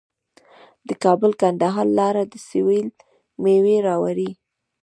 د کابل کندهار لاره د سویل میوې راوړي.